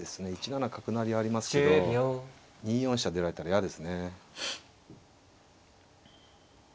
１七角成はありますけど２四飛車出られたら嫌ですね。